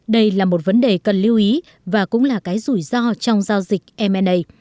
đây là một vấn đề cần lưu ý và cũng là cái rủi ro trong giao dịch mna